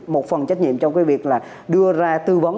một phần trách nhiệm trong cái việc là đưa ra tư vấn